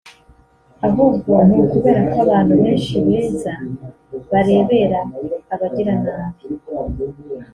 ahubwo ni ukubera ko abantu benshi beza barebera abagira nabi ”